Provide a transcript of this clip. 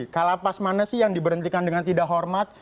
kalau pas mana sih yang diberhentikan dengan tidak hormat